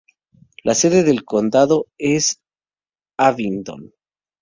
La sede del condado es Abingdon.